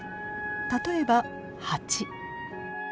例えばハチ。